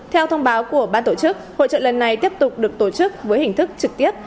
theo thông báo của ban tổ chức hội trợ lần này tiếp tục được tổ chức với hình thức trực tiếp